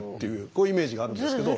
こういうイメージがあるんですけど。